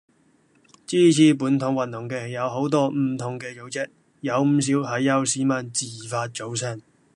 支持本土運動嘅有好多唔同嘅組織，有唔少係由市民自發組成